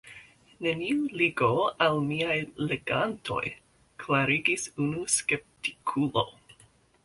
Neniu ligo al miaj legantoj, klarigis unu skeptikulo.